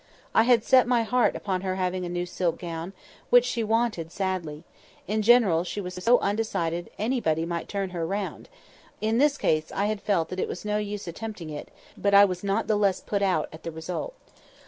I had so set my heart upon her having a new silk gown, which she wanted sadly; in general she was so undecided anybody might turn her round; in this case I had felt that it was no use attempting it, but I was not the less put out at the result.